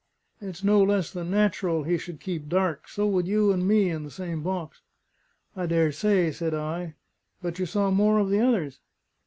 It's no less than natural he should keep dark: so would you and me in the same box." "I daresay," said I. "But you saw more of the others?"